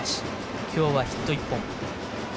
今日はヒット１本。